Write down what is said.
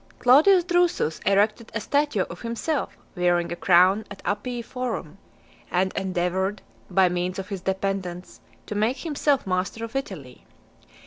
Claudius Drusus erected a statue of himself wearing a crown at Appii Forum , and endeavoured, by means of his dependants, to make himself master of Italy.